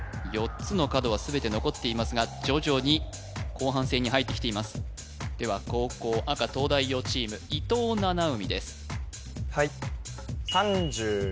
４つの角はすべて残っていますが徐々に後半戦に入ってきていますでは後攻赤東大王チーム伊藤七海です